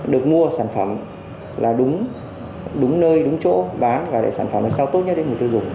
được mua sản phẩm là đúng nơi đúng chỗ bán là sản phẩm sao tốt nhất để người tiêu dùng